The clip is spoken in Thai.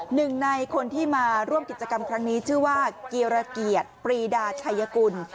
หนึ่งในคนที่มาร่วมกิจกรรมครั้งนี้ชื่อว่าเกียรเกียรติปรีดาชัยกุล